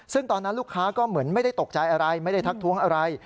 ซึ่งตอนนั้นลูกค้าก็เหมือนไม่ได้ตกใจอะไรไม่ได้ทักท้วงอะไร